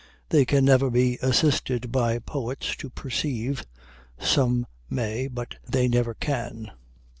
They can never be assisted by poets to perceive some may, but they never can.